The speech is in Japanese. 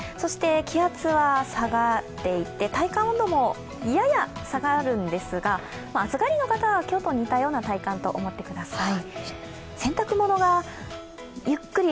気圧は下がっていって、体感温度もやや下がるんですが、暑がりの方は、今日と似たような体感と思ってください。